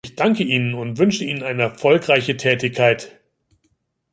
Ich danke Ihnen und wünsche Ihnen eine erfolgreiche Tätigkeit.